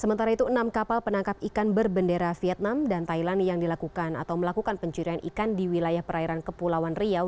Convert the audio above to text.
sementara itu enam kapal penangkap ikan berbendera vietnam dan thailand yang dilakukan atau melakukan pencurian ikan di wilayah perairan kepulauan riau